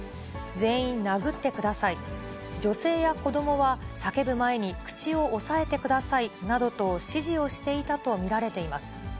全員殴ってください、女性や子どもは叫ぶ前に口を押さえてくださいなどと指示をしていたと見られています。